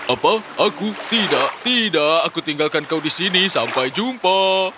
apa aku tidak tidak aku tinggalkan kau di sini sampai jumpa